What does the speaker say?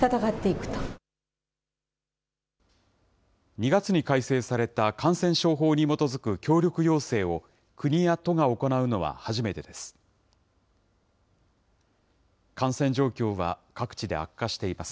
２月に改正された、感染症法に基づく協力要請を国や都が行うのは初めてです。